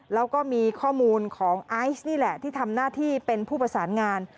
แล้วก็มีข้อมูลของไอซ์นี่แหละที่ทำหน้าที่เป็นผู้ประสานงาน